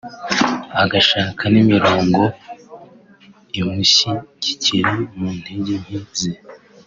agashaka n’imirongo imushyigikira mu ntege nke ze